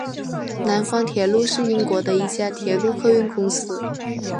南方铁路是英国的一家铁路客运公司。